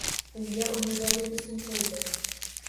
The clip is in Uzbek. Unga Umida deb ism qo`ydi